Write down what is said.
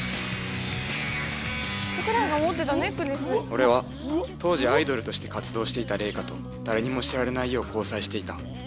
俺は当時アイドルとして活動していた玲香と誰にも知られないよう交際していた。